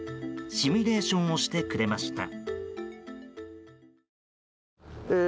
シミュレーションをしてくれました。